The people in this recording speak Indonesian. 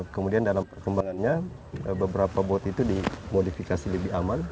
kemudian dalam perkembangannya beberapa bot itu dimodifikasi lebih aman